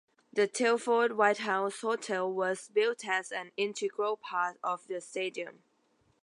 The Telford Whitehouse Hotel was built as an integral part of the stadium.